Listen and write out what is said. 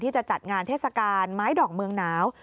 จะจัดงานเทศกาลไม้ดอกเมืองหนาว